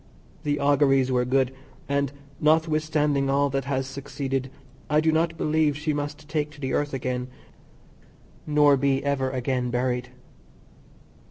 The auguries were good, and, notwithstanding all that has succeeded, I do not believe she must take to the earth again, nor be ever again buried.